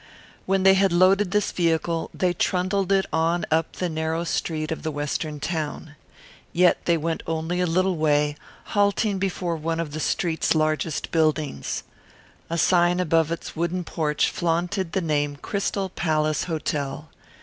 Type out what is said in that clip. When they had loaded this vehicle they trundled it on up the narrow street of the Western town. Yet they went only a little way, halting before one of the street's largest buildings. A sign above its wooden porch flaunted the name Crystal Palace Hotel.